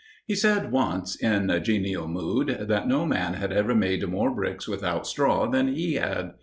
He said once, in a genial mood, that no man had ever made more bricks without straw than he had.